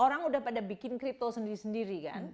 orang udah pada bikin kripto sendiri sendiri kan